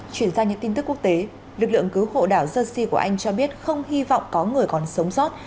chuyển sang những tin tức quốc tế lực lượng cứu hộ đảo jersey của anh cho biết không hy vọng có người còn sống sót